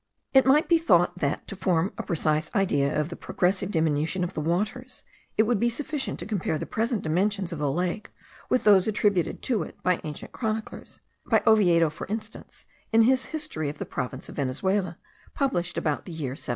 It might be thought that, to form a precise idea of the progressive diminution of the waters, it would be sufficient to compare the present dimensions of the lake with those attributed to it by ancient chroniclers; by Oviedo for instance, in his History of the Province of Venezuela, published about the year 1723.